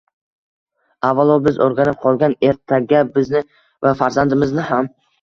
avvalo biz o‘rganib qolgan, ertaga bizni va farzandlarimizni ham